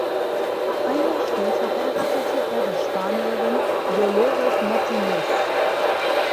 Ein Jahr später heiratete er die Spanierin Dolores Martinez.